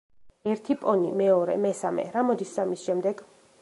ერთი პონი, მეორე, მესამე; რა მოდის სამის შემდეგ?